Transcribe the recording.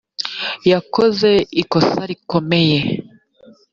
yakoze ikosa rikomeye